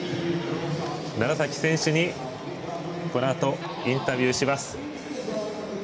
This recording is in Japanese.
楢崎選手にこのあとインタビューします。